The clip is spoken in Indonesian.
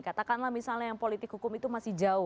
katakanlah misalnya yang politik hukum itu masih jauh